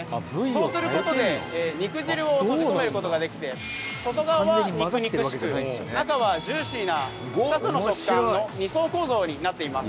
そうする事で肉汁を閉じ込める事ができて外側は肉々しく中はジューシーな２つの食感の２層構造になっています。